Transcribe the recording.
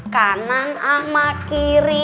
kanan sama kiri